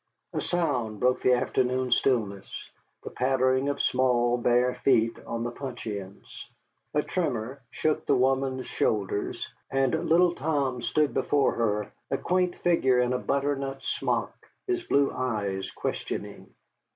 A sound broke the afternoon stillness, the pattering of small, bare feet on the puncheons. A tremor shook the woman's shoulders, and little Tom stood before her, a quaint figure in a butternut smock, his blue eyes questioning.